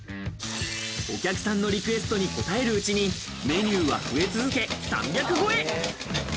お客さんのリクエストに応えるうちに、メニューは増え続け、３００超え。